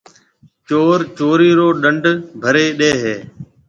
چور چورِي رو ڏنڊ ڀريَ ڏي هيَ۔